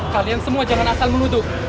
kalian semua jangan asal menuduh